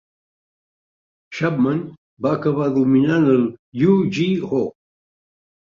Chapman va acabar dominant el "Yu-Gi-Oh!"